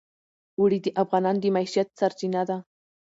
اوړي د افغانانو د معیشت سرچینه ده.